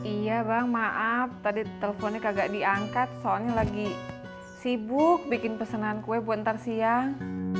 iya bang maaf tadi teleponnya kagak diangkat soalnya lagi sibuk bikin pesanan kue buat ntar siang